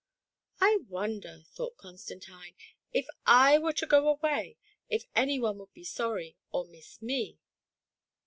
" I wonder," thought Constantine, " if I were to go away, if any one would be sorry, or miss me."